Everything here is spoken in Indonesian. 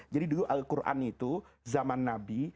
jadi dulu al quran itu zaman nabi